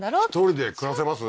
１人で暮らせます？